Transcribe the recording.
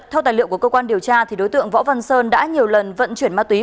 theo tài liệu của cơ quan điều tra đối tượng võ văn sơn đã nhiều lần vận chuyển ma túy